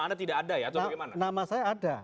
anda tidak ada ya atau bagaimana nama saya ada